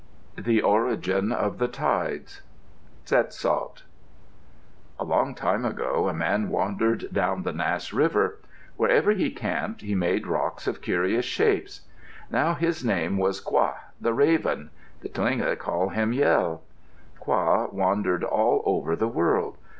THE ORIGIN OF THE TIDES Tsetsaut A long time ago, a man wandered down the Nass River. Wherever he camped, he made rocks of curious shapes. Now his name was Qa, the Raven. The Tlingit call him Yel. Qa wandered all over the world.